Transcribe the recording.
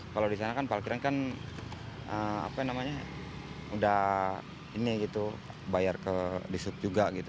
kalau di sana kan parkiran kan apa namanya udah ini gitu bayar ke di sub juga gitu